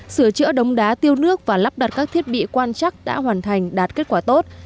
sửa chữa đống đá tiêu nước và lắp đặt các thiết bị quan chắc đã hoàn thành đạt kết quả tốt